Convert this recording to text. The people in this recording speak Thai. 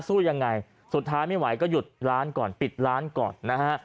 สู้ยังไงสุดท้ายไม่ไหวก็หยุดร้านก่อนปิดร้านก่อนนะฮะ